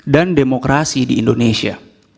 dan demokrasi di indonesia